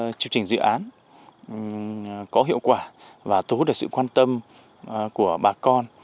các chương trình dự án có hiệu quả và thấu được sự quan tâm của bà con